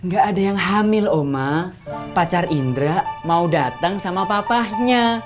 gak ada yang hamil oma pacar indra mau datang sama papanya